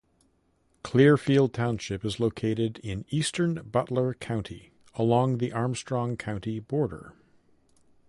Clearfield Township is located in eastern Butler County, along the Armstrong County border.